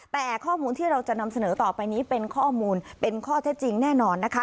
แต่ข้อมูลที่เราจะนำเสนอต่อไปนี้เป็นข้อมูลเป็นข้อเท็จจริงแน่นอนนะคะ